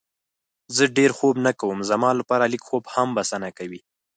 زه ډېر خوب نه کوم، زما لپاره لږ خوب هم بسنه کوي.